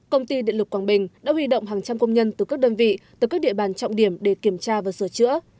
công ty điện lực quảng bình đã huy động hàng trăm công nhân từ các đơn vị tới các địa bàn trọng điểm để kiểm tra và sửa chữa